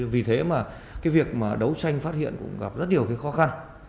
vì thế việc đấu tranh phát hiện cũng gặp rất nhiều khó khăn